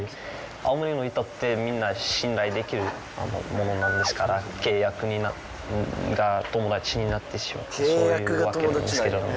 青森の人ってみんな信頼できるものですから契約が友達になってそういうわけなんですけど。